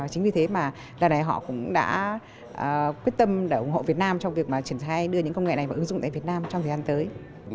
chính vì thế mà lần này họ cũng đã quyết tâm để ủng hộ việt nam trong việc triển khai đưa những công nghệ này vào ứng dụng tại việt nam trong thời gian tới